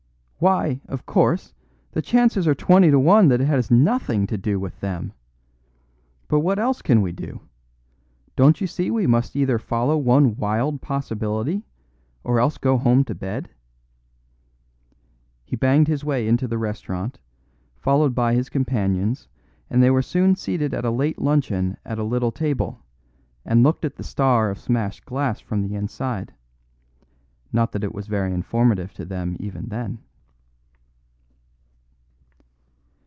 Why, of course, the chances are twenty to one that it has nothing to do with them. But what else can we do? Don't you see we must either follow one wild possibility or else go home to bed?" He banged his way into the restaurant, followed by his companions, and they were soon seated at a late luncheon at a little table, and looked at the star of smashed glass from the inside. Not that it was very informative to them even then.